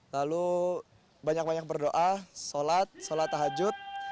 lalu banyak banyak berdoa sholat sholat tahajud